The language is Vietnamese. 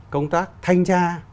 công tác thanh tra